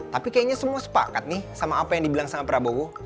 tapi kayaknya semua sepakat nih sama apa yang dibilang sama prabowo